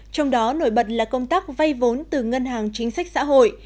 trong đó nổi bật là công tác vay vốn từ ngân hàng chính sách xã hội